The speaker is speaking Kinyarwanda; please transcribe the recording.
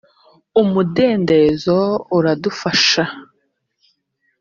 umudendezo uradufasha.